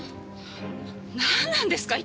なんなんですか？